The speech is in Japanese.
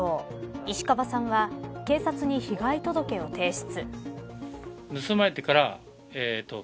石川さんは警察に被害届を提出。